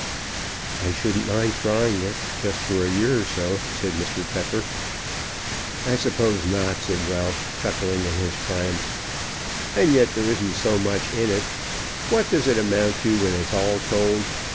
"I shouldn't mind trying it, just for a year or so," said Mr. Pepper. "I suppose not," said Ralph, chuckling in his triumph. "And yet there isn't so much in it. What does it amount to when it's all told?